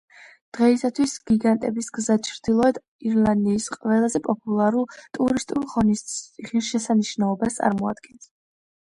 დღეისათვის, გიგანტების გზა ჩრდილოეთ ირლანდიის ყველაზე პოპულარულ ტურისტულ ღირსშესანიშნაობას წარმოადგენს.